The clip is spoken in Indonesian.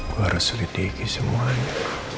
gue harus sedikit digi semuanya